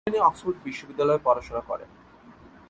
Gilani Oxford বিশ্ববিদ্যালয়ে পড়াশোনা করেন।